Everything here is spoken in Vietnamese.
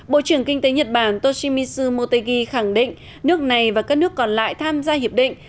bộ trưởng kinh tế nhật bản toshimisu motegi khẳng định nước này và các nước còn lại tham gia hiệp định